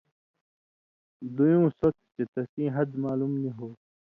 دُویُوں سو تُھو چے تسیں حَد معلوم نی ہو۔